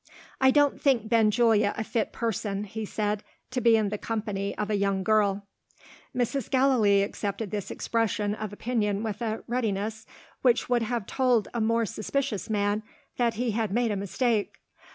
"I don't think Benjulia a fit person," he said, "to be in the company of a young girl." Mrs. Gallilee accepted this expression of opinion with a readiness, which would have told a more suspicious man that he had made a mistake.